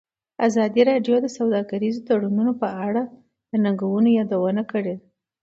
ازادي راډیو د سوداګریز تړونونه په اړه د ننګونو یادونه کړې.